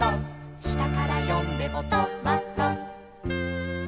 「したからよんでもト・マ・ト」